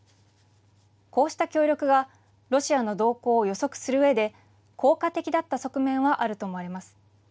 こうした協力が、ロシアの動向を予測するうえで、効果的だった側面はあると思います。